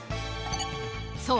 そう。